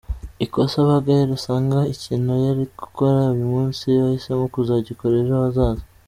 Ikosa ba Gaëlle usanga ikintu yari gukora uyu munsi ahisemo kuzagikora ejo hazaza.